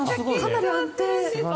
かなり安定。